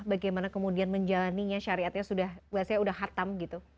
bagaimana kemudian menjalannya syariatnya sudah khatam